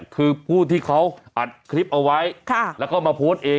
คือผู้ที่เขาอัดคลิปเอาไว้แล้วก็มาโพสต์เอง